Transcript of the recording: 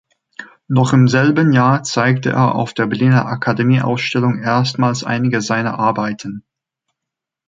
Noch im selben Jahr zeigte er auf der Berliner Akademieausstellung erstmals einige seiner Arbeiten.